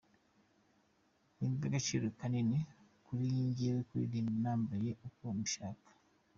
Ni iby’agaciro kanini kuri njyewe kuririmba nambaye uko mbishaka.